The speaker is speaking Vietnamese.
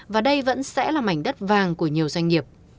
và đây vẫn sẽ là mảnh đất vàng của nhiều doanh nghiệp